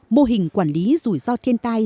mô hình quản lý rủi ro thiên tai